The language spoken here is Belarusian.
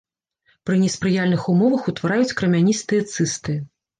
Пры неспрыяльных умовах утвараюць крамяністыя цысты.